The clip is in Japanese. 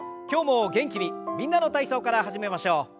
今日も元気に「みんなの体操」から始めましょう。